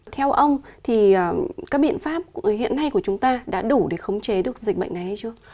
theo ông thì các biện pháp hiện nay của chúng ta đã đủ để khống chế được dịch bệnh này hay chưa